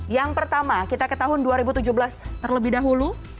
yang pertama kita ke tahun dua ribu tujuh belas terlebih dahulu